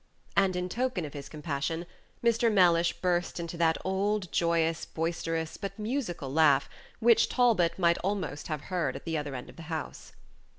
and, in token of his compassion, Mr. Mellish burst into that old joyous, boisterous, but musical laugh, which Talbot might almost have heard at the other end of the house.